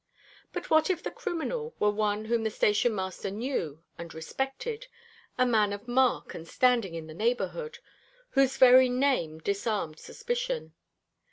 But what if the criminal were one whom the station master knew and respected a man of mark and standing in the neighbourhood, whose very name disarmed suspicion?